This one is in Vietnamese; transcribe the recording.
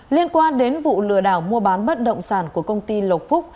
liên quan đến vụ lừa đảo mua bán bất động sản của công ty lộc phúc